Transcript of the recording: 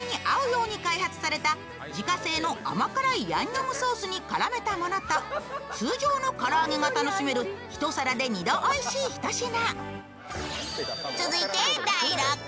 から揚げに合うように開発された自家製の甘辛いヤンニョムソースに絡めたものと通常の唐揚げが楽しめる一皿で二度おいしいひと品。